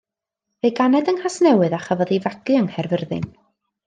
Fe'i ganed yng Nghasnewydd, a chafodd ei fagu yng Nghaerfyrddin.